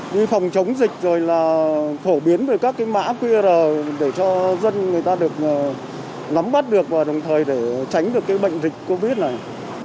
như phòng chống dịch rồi là phổ biến về các cái mã qr để cho dân người ta được nắm bắt được và đồng thời để tránh được cái bệnh dịch covid này